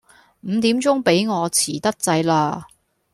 五點鐘畀我遲得滯喇